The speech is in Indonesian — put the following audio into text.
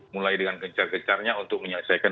mulai dengan gencar gencarnya untuk menyelesaikan